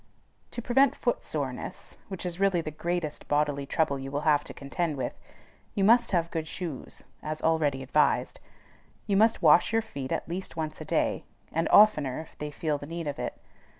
To prevent foot soreness, which is really the greatest bodily trouble you will have to contend with, you must have good shoes as already advised. You must wash your feet at least once a day, and oftener if they feel the need of it.